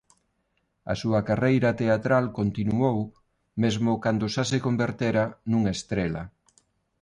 A súa carreira teatral continuou mesmo cando xa se convertera nunha estrela.